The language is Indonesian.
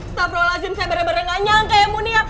stavrolazim saya bener bener gak nyangka ya murni ya